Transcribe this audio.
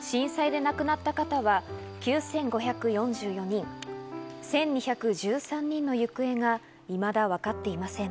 震災で亡くなった方は９５４４人、１２１３人の行方が未だわかっていません。